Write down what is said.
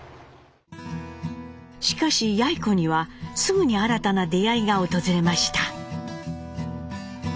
しかしやい子にはすぐに新たな出会いが訪れました。